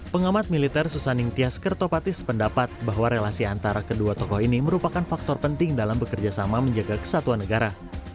pengamat militer susaning tias kertopatis pendapat bahwa relasi antara kedua tokoh ini merupakan faktor penting dalam bekerja sama menjaga kesatuan negara